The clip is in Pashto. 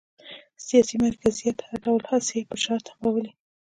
سیاسي مرکزیت هر ډول هڅې یې پر شا تمبولې